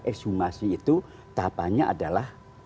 exhumasi itu tahapannya adalah